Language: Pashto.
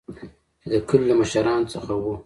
چې د کلي له مشران څخه وو.